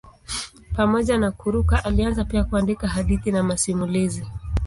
Pamoja na kuruka alianza pia kuandika hadithi na masimulizi.